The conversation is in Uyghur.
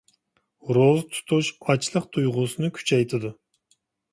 روزا تۇتۇش ئاچلىق تۇيغۇسىنى كۈچەيتىدۇ.